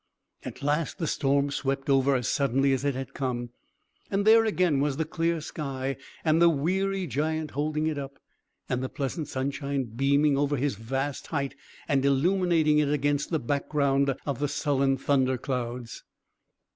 At last, the storm swept over as suddenly as it had come. And there again was the clear sky, and the weary giant holding it up, and the pleasant sunshine beaming over his vast height, and illuminating it against the background of the sullen thunder clouds.